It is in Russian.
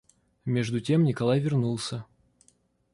Между тем Николай вернулся.